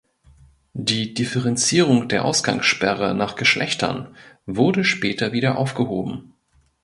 Die Differenzierung der Ausgangssperre nach Geschlechtern wurde später wieder aufgehoben.